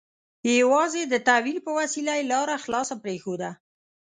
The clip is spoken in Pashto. یوازې د تأویل په وسیله یې لاره خلاصه پرېښوده.